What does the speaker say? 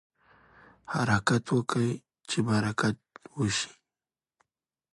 حرکت وکړئ چې برکت وشي.